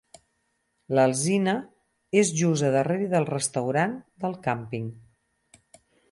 L'alzina és just a darrere del restaurant del càmping.